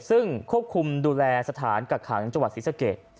ซึ่งควบคุมดูแลสถานกักขังจังหวัดศรีสะเกด